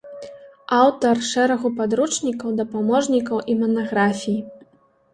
Аўтар шэрагу падручнікаў, дапаможнікаў і манаграфій.